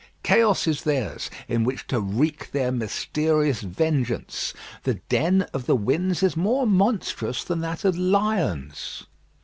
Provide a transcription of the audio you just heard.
Chaos is theirs, in which to wreak their mysterious vengeance: the den of the winds is more monstrous than that of lions.